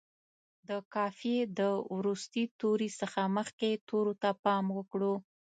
د قافیې د وروستي توري څخه مخکې تورو ته پام وکړو.